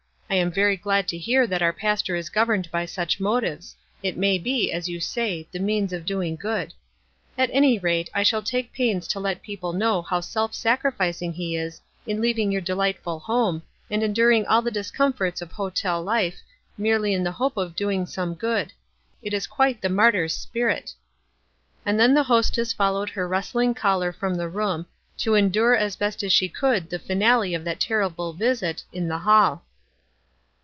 I am very glad to hear that our pastor is governed by such motives — it may be, as you say, the means of doing good. At any rate, I shall take pains to let people know how self sacrificing he is in leaving your delightful home and enduring all the discomforts of hotel life, merely in the hope of doing some good ; it is quite the mar tyr's spirit." And then the hostess followed her rustling caller from the room, to endure as best she could the finale of that terrible visit in the hall.